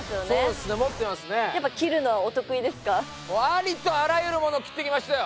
ありとあらゆるものを切ってきましたよ。